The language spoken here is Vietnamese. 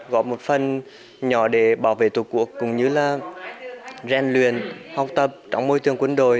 góp một phần nhỏ để bảo vệ tổ quốc cũng như là rèn luyện học tập trong môi trường quân đội